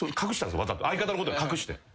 相方のこと隠して。